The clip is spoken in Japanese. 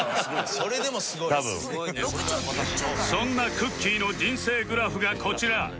そんなくっきー！の人生グラフがこちら